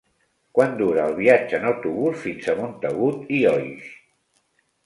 Quant dura el viatge en autobús fins a Montagut i Oix?